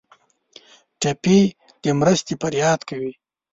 ټپي د مرستې فریاد کوي.